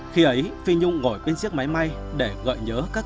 khi ấy phi nhung ngồi bên chiếc máy may để gợi nhớ các ký ức xưa cũ